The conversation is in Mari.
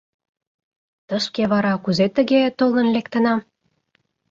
Тышке вара кузе тыге толын лектынам?..